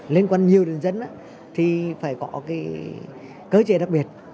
liên quan nhiều đến dân thì phải có cái cơ trệ đặc biệt